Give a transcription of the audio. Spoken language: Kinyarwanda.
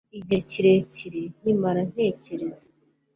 Igihe kirekire nkimara ntekereza